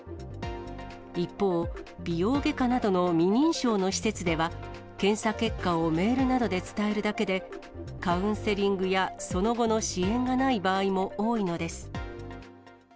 一方、美容外科などの未認証の施設では、検査結果をメールなどで伝えるだけで、カウンセリングやその後の支援がない場合も多いのです。